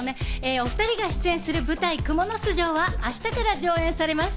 お２人が出演する舞台『蜘蛛巣城』は明日から上演されます。